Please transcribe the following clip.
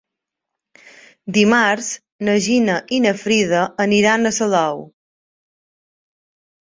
Dimarts na Gina i na Frida aniran a Salou.